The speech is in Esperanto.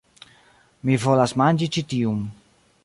Mi volas manĝi ĉi tiun